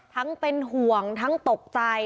ทั้งเป็นห่วงทั้งตกใจ